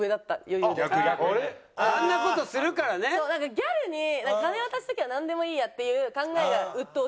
ギャルに金渡しときゃなんでもいいやっていう考えがうっとうしい。